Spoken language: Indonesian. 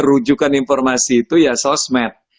rujukan informasi itu ya sosmed